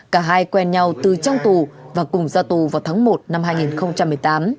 cả hai quen nhau từ trong tù và cùng ra tù vào tháng một năm hai nghìn một mươi tám